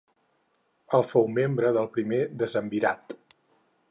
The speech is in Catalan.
El fou membre del primer decemvirat.